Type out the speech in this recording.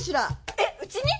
えっうちに？